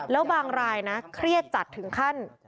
แล้วบางรายนะเครียดจัดถึงขั้น